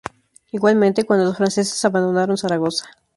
Igualmente cuando los franceses abandonaron Zaragoza.